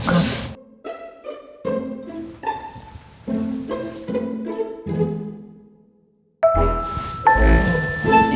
kasurnya empuk kak